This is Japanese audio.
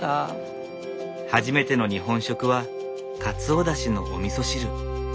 初めての日本食はかつおだしのおみそ汁。